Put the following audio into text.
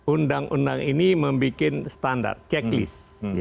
undang undang ini membuat standar checklist